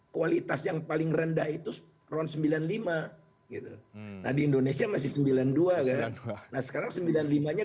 kualitas yang paling rendah itu ron sembilan puluh lima gitu nah di indonesia masih sembilan puluh dua kan nah sekarang sembilan puluh lima nya